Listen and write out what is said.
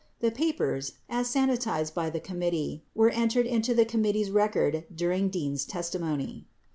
18 The papers, as sanitized by the committee, were entered into the committee's record during Dean's testimony.